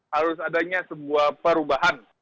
harus adanya sebuah perubahan